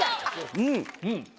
うん。